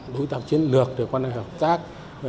đối tạc chiến lược quan hệ hợp tác